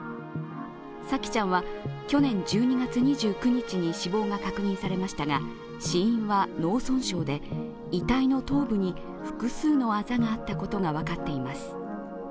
沙季ちゃんは去年１２月２９日に死亡が確認されましたが死因は脳損傷で遺体の頭部に複数のあざがあったことが分かっています。